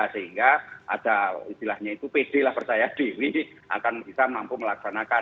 sehingga ada istilahnya itu pede lah percaya diri akan bisa mampu melaksanakan